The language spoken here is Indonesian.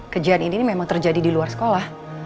kejadian ini memang terjadi di luar sekolah